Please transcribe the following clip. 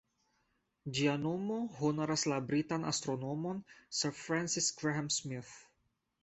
Ĝia nomo honoras la britan astronomon Sir Francis Graham-Smith.